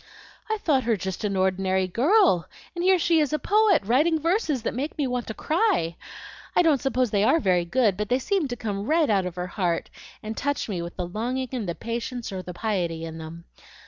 "I thought her just an ordinary girl, and here she is a poet, writing verses that make me want to cry! I don't suppose they ARE very good, but they seem to come right out of her heart, and touch me with the longing and the patience or the piety in them.